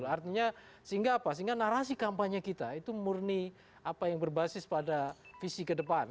artinya sehingga apa sehingga narasi kampanye kita itu murni apa yang berbasis pada visi ke depan